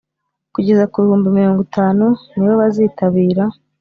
kugeza ku bihumbi mirongo itanu nibo bazitabira